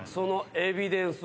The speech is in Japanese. エビデンス。